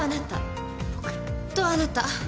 僕？とあなた。